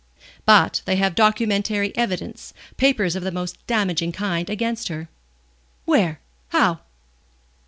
"But they have documentary evidence papers of the most damaging kind against her." "Where? How?"